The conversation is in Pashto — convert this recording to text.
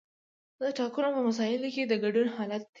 دا د ټاکنو په مسایلو کې د ګډون حالت دی.